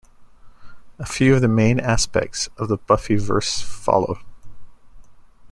A few of the main aspects of the Buffyverse follow.